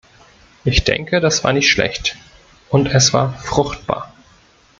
Ich denke, das war nicht schlecht, und es war fruchtbar.